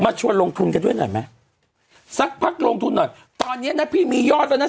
ชวนลงทุนกันด้วยหน่อยไหมสักพักลงทุนหน่อยตอนเนี้ยนะพี่มียอดแล้วนะ